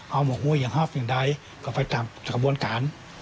เอาหมวกมวยอย่างฮอฟอย่างใดก็ไปตามกระบวนการ